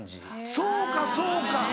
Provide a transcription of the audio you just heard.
そうかそうか。